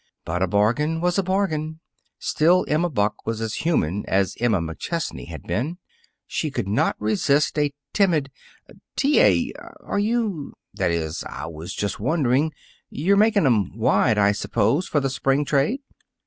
But a bargain was a bargain. Still, Emma Buck was as human as Emma McChesney had been. She could not resist a timid, "T. A., are you that is I was just wondering you're making 'em wide, I suppose, for the spring trade."